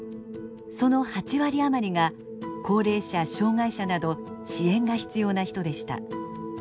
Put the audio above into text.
その８割余りが高齢者・障害者など支援が必要な人でした。